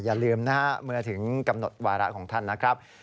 อย่าลืมนะฮะเมื่อถึงกำหนดวาระของท่านนะครับ